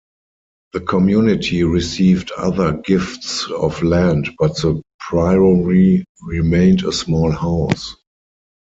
The community received other gifts of land but the priory remained a small house.